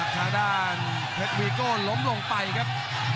ข้างด้านเสธริโกลล้มลงไปครับ